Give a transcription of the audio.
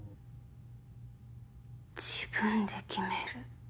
自分で決める。